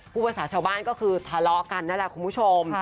พูดภาษาชาวบ้านก็คือทะเลาะกันนั่นแหละคุณผู้ชม